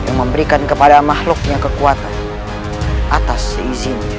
yang memberikan kepada makhluknya kekuatan atas seizin